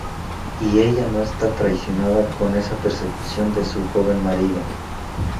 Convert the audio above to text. Y ella no está traicionada con esa persecución de su joven marido.